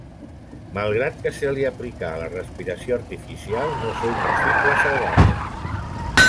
Malgrat que se li aplicà la respiració artificial no fou possible salvar-la.